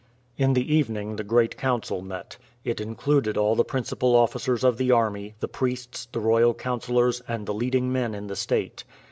In the evening the great council met. It included all the principal officers of the army, the priests, the royal councilors, and the leading men in the state.